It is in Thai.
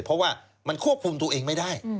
เพราะว่ามันควบคุมตัวเองไม่ได้